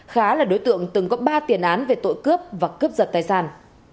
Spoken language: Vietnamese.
khá là đối tượng từng có ba tiền án về tội cướp và cướp giật tài sản